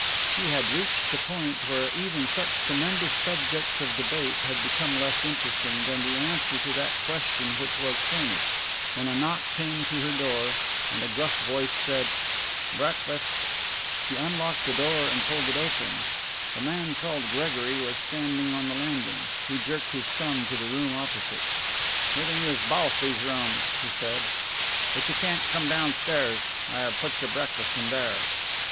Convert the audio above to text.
She had reached the point where even such tremendous subjects of debate had become less interesting than the answer to that question which was furnished, when a knock came to her door and a gruff voice said: "Breakfast!" She unlocked the door and pulled it open. The man called Gregory was standing on the landing. He jerked his thumb to the room opposite. "You can use both these rooms," he said, "but you can't come downstairs. I have put your breakfast in there."